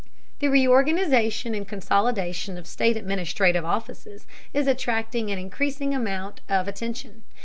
The reorganization and consolidation of state administrative offices is attracting an increasing amount of attention.